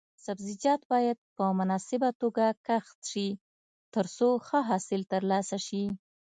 سبزیجات باید په مناسبه توګه کښت شي ترڅو ښه حاصل ترلاسه شي.